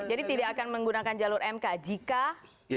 jadi tidak akan menggunakan jalur mk jika